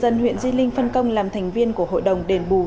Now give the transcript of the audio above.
về hành vi thiếu trách nhiệm gây hiệu quả nghiêm trọng